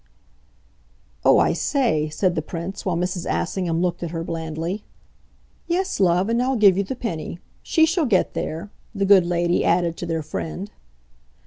"Oh, I say!" said the Prince while Mrs. Assingham looked at her blandly. "Yes, love and I'll give you the penny. She shall get there," the good lady added to their friend.